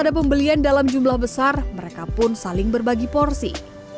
ada pembelian dalam jumlah besar mereka pun saling berbagi porsi